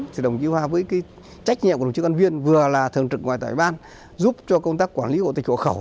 thì đồng chí hoa với trách nhiệm của đồng chí công an huyện vừa là thường trực ngoài tài ban giúp cho công tác quản lý hộ tịch hộ khẩu